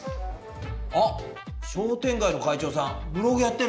あっ商店街の会長さんブログやってる！